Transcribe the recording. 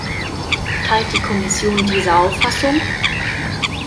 Teilt die Kommission diese Auffassung?